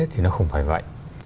thì nó không phải vậy